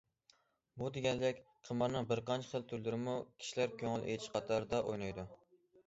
بۇ دېگەنلىك قىمارنىڭ بىرقانچە خىل تۈرلىرىمۇ كىشىلەر كۆڭۈل ئېچىش قاتارىدا ئوينايدۇ.